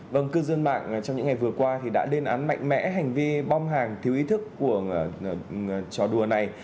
vâng cư dân mạng trong những ngày vừa qua thì đã lên án mạnh mẽ hành vi bom hàng thiếu ý thức của trò đùa này